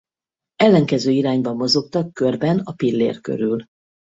Ellenkező irányban mozogtak körben a pillér körül.